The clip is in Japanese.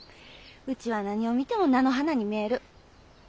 うちは何を見ても菜の花に見える。